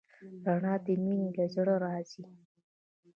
رڼا د مینې له زړه راځي.